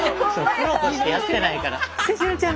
プロとしてやってないから。